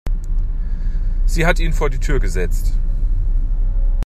Sie hat ihn vor die Tür gesetzt.